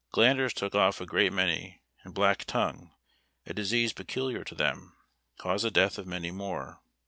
Glanders took off a great many, and black tongue, a disease peculiar to them, caused the death of many more.